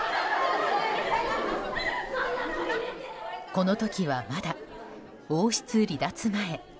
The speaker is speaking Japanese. この時は、まだ王室離脱前。